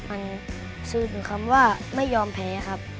มันสื่อถึงคำว่าไม่ยอมแพ้ครับ